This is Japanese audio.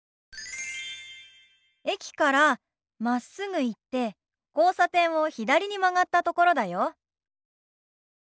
駅からまっすぐ行って交差点を左に曲がったところだよ。